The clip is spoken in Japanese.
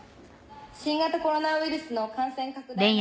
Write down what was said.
新型コロナウイルスの感染拡大の影響で。